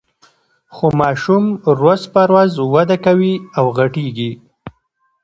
خو ماشوم ورځ په ورځ وده کوي او غټیږي.